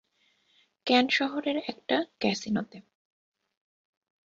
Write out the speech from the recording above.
Can শহরের একটা ক্যাসিনোতে।